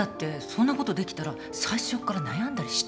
そんなことできたら最初っから悩んだりしてないって。